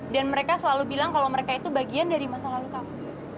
dan mereka selalu bilang kalau mereka itu bagian dari masa lalu kamu